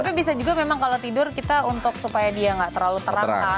tapi bisa juga memang kalau tidur kita untuk supaya dia nggak terlalu terang kan